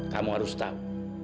kamu harus tahu